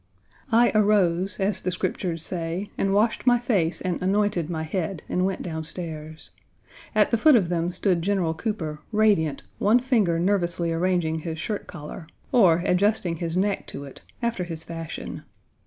I arose, as the Scriptures say, and washed my face and anointed my head and went down stairs. At the foot of them stood General Cooper, radiant, one finger nervously arranging his shirt collar, or adjusting his neck to it after his fashion.